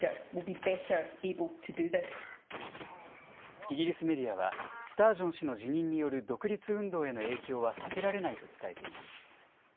イギリスメディアはスタージョン氏の辞任による独立運動への影響は避けられないと伝えています。